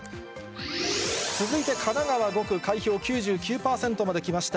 続いて神奈川５区、開票９９％まできました。